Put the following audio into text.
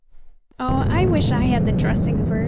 "Oh, I wish I had the dressing of her!